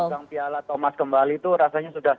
dan memegang piala thomas kembali itu rasanya sudah